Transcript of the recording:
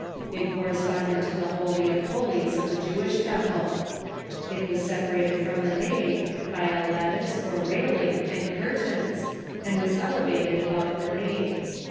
It corresponded to the holy of holies of the Jewish temple. It was separated from the nave by a lattice or railing, and curtains, and was elevated above the nave.